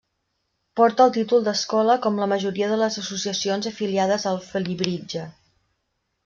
Porta el títol d'escola com la majoria de les associacions afiliades al Felibritge.